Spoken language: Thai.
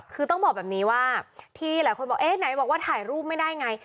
คือต้องบอกแบบนี้ว่าที่หลายคนบอกเอ๊ะไหนบอกว่าถ่ายรูปไม่ได้ไง